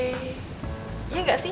iya gak sih